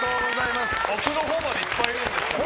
奥のほうまでいっぱいいるんですね。